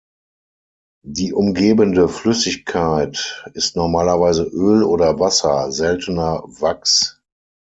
Die umgebende Flüssigkeit ist normalerweise Öl oder Wasser, seltener Wachs.